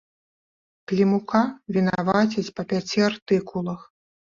Клімука вінавацяць па пяці артыкулах.